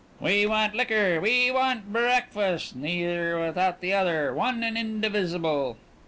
"We want liquor; we want breakfast. Neither without the other. One and indivisible."